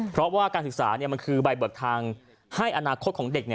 เพราะว่าการศึกษามันคือใบเบิกทางให้อนาคตของเด็ก